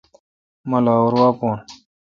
مہ لاہور وا بھون۔